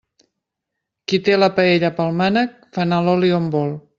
Qui té la paella pel mànec, fa anar l'oli on vol.